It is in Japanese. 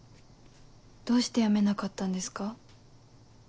どうして辞めなかったんですか？